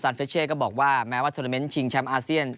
ซานเฟชเช่ก็บอกว่าแม้ว่าทศชิงแชมป์อาเซียน